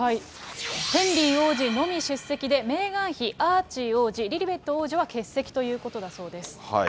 ヘンリー王子のみ出席で、メーガン妃、アーチー王子、リリベット王女は欠席ということだそうです。